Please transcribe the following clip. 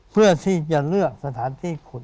เพื่อที่จะเลือกสถานที่ขุด